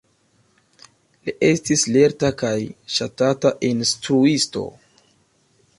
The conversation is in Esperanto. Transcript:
Li estis lerta kaj ŝatata instruisto.